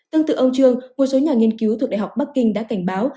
tương tự ông trương một số nhà nghiên cứu thuộc đại học bắc kinh đã cảnh báo